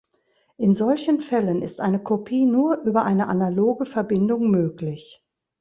In solchen Fällen ist eine Kopie nur über eine analoge Verbindung möglich.